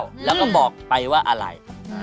เหมือนพระเจ้าแล้วก็บอกไปว่าอะไร